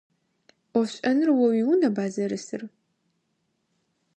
Ӏофшӏэныр о уиунэба зэрысыр?